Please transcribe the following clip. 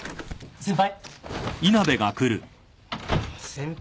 ・先輩。